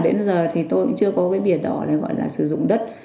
đến giờ thì tôi cũng chưa có cái biệt đỏ để gọi là sử dụng đất